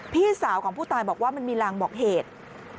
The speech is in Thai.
พี่สาวของผู้ตายบอกว่ามันมีรางบอกเหตุ